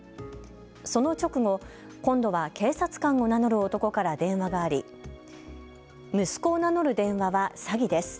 その直後、今度は警察官を名乗る男から電話があり息子を名乗る電話は詐欺です。